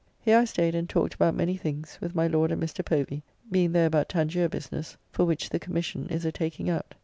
Here I staid and talked about many things, with my Lord and Mr. Povy, being there about Tangier business, for which the Commission is a taking out.